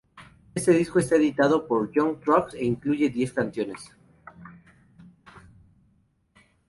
Este disco está editado por Young Turks e incluye diez canciones.